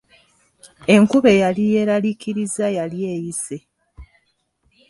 Enkuba eyali yeeraliikiriza yali eyise.